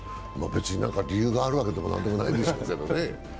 別に何か理由があるわけでも何でもないでしょうけどね。